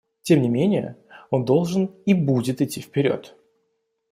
Тем не менее, он должен и будет идти вперед.